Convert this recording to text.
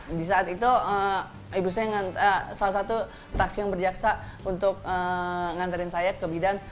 di saat itu ibu saya salah satu taksi yang berjaksa untuk mengantarin saya ke bidan